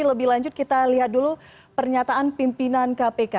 lebih lanjut kita lihat dulu pernyataan pimpinan kpk